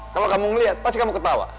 kalau kamu melihat pasti kamu ketawa